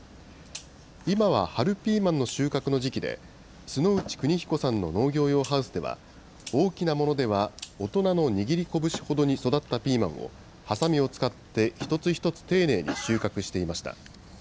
今は春ピーマンの収穫の時期で、須之内邦彦さんの農業用ハウスでは、大きなものでは大人の握り拳ほどに育ったピーマンを、はさみを使って一つ一つ丁寧に収穫していました。